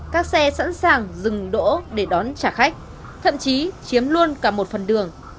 các xe sẵn sàng dừng đỗ để đón trả khách thậm chí chiếm luôn cả một phần đường